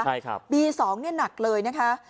ใช่ครับปี๒เนี่ยหนักเลยนะคะ